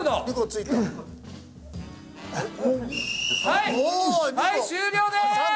はい終了です！